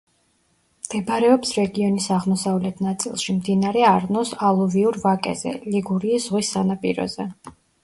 მდებარეობს რეგიონის აღმოსავლეთ ნაწილში, მდინარე არნოს ალუვიურ ვაკეზე, ლიგურიის ზღვის სანაპიროზე.